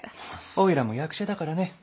おいらも役者だからね。